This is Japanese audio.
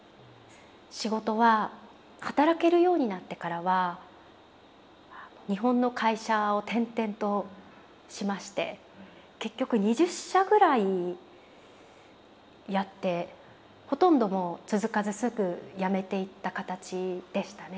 仕事は働けるようになってからは日本の会社を転々としまして結局２０社ぐらいやってほとんどもう続かずすぐやめていった形でしたね。